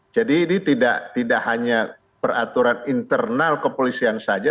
jadi ini tidak hanya peraturan internal kepolisian saja